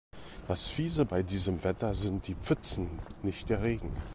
Das Fiese bei diesem Wetter sind die Pfützen, nicht der Regen.